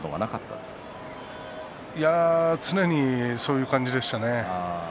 常にそういう感じでしたね。